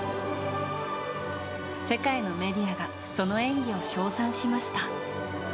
世界のメディアがその演技を称賛しました。